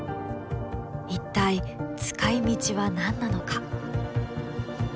一体使いみちは何なのか？